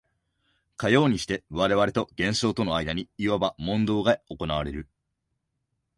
かようにして我々と現象との間にいわば問答が行われる。